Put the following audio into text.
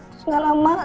terus gak lama